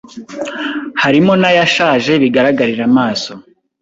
harimo n’ayashaje bigaragarira amaso